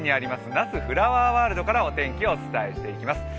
那須フラワーワールドからお天気をお伝えしていきます。